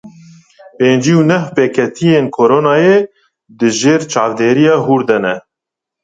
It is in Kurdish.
Pêncî û neh pêketiyên Koronayê di jêr çavdêriya hûr de ne.